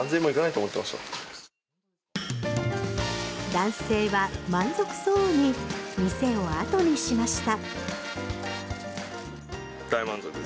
男性は満足そうに店を後にしました。